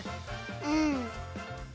うん。